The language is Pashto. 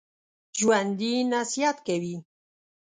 ژوندي نصیحت کوي